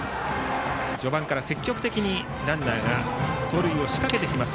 序盤から積極的にランナーが盗塁を仕掛けてきます